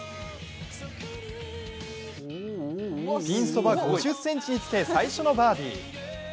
ピンそば５０ｃｍにつけ最初のバーディー。